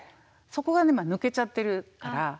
そこが今抜けちゃってるから。